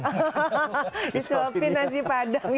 hahaha disuapin nasi padang